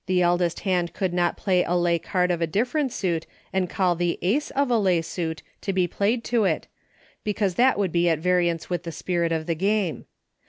71 eldest hand could not play a lay card of a dif ferent suit and call tlie Ace of the lay suit to be played to it, because that would be at va riance with the spirit of the game.